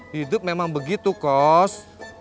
hidup memang begitu kos